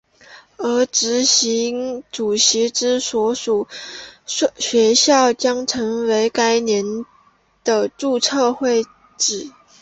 而执委主席之所属学校将成为该年的注册会址。